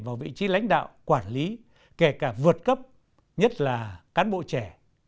vào vị trí lãnh đạo quản lý kể cả vượt cấp nhất là cán bộ trẻ